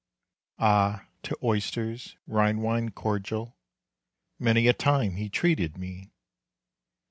Ah! to oysters, Rhine wine, cordial, Many a time he treated me.